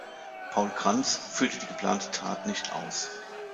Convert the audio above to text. Paul Krantz führte die geplante Tat nicht aus.